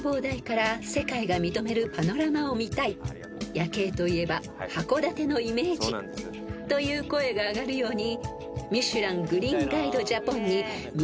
［夜景といえば函館のイメージ！という声が上がるように］